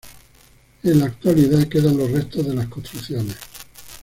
En la actualidad quedan los restos de las construcciones.